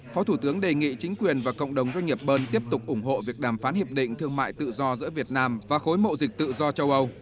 phó thủ tướng đề nghị chính quyền và cộng đồng doanh nghiệp bơn tiếp tục ủng hộ việc đàm phán hiệp định thương mại tự do giữa việt nam và khối mộ dịch tự do châu âu